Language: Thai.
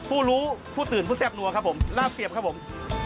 ผู้รู้ผู้ตื่นผู้แซ่บนัวครับผมลาบเสียบครับผม